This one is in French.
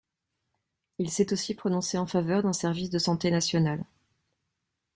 Il s'est aussi prononcé en faveur d'un service de santé nationale.